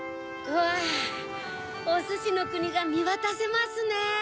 うわおすしのくにがみわたせますねぇ。